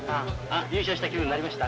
優勝した気分になりました？